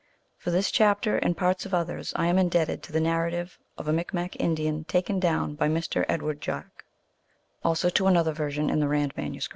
For this chapter and parts of others I am indebted to the narrative of a Micmac Indian, taken down by Mr. Edward Jack ; also to another version in the Rand MS.